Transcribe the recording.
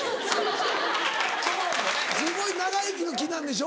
すごい長生きの木なんでしょ。